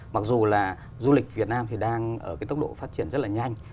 mặc dù là du lịch việt nam thì đang ở cái tốc độ phát triển rất là nhanh